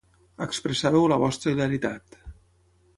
Expressàveu la vostra hilaritat.